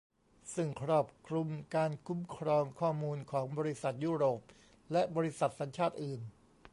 ซึ่งครอบคลุมการคุ้มครองข้อมูลของบริษัทยุโรปและบริษัทสัญชาติอื่น